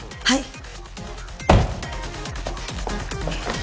はい！